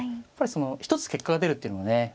やっぱり一つ結果が出るっていうのがね